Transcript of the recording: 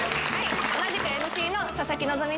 同じくＭＣの佐々木希です。